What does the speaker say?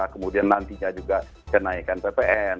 kemudian nantinya juga kenaikan ppn